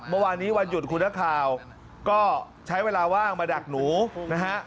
เมื่อวานนี้วันหยุดคุณนักข่าวก็ใช้เวลาว่างมาดักหนูนะฮะ